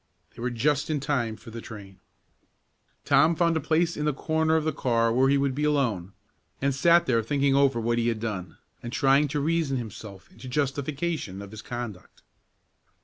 They were just in time for the train. Tom found a place in the corner of the car where he would be alone, and sat there thinking over what he had done, and trying to reason himself into justification of his conduct.